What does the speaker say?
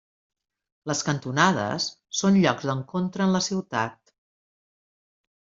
Les cantonades són llocs d'encontre en la ciutat.